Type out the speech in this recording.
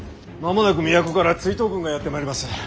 間もなく都から追討軍がやって参ります。